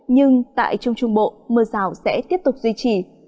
nhưng tại trung trung bộ mưa rào sẽ tiếp tục duy trì